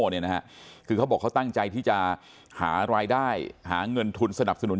เนี่ยนะฮะคือเขาบอกเขาตั้งใจที่จะหารายได้หาเงินทุนสนับสนุน